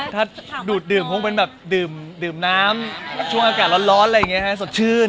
ถ้าดูดดื่มคงเป็นแบบดื่มน้ำช่วงอากาศร้อนอะไรอย่างนี้ฮะสดชื่น